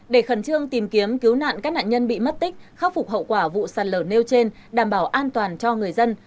để khẩn trương tìm kiếm cứu nạn các nạn nhân bị mất tích khắc phục hậu quả vụ sạt lở nêu trên đảm bảo an toàn cho người dân